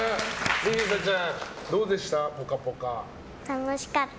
莉里沙ちゃん、どうでした？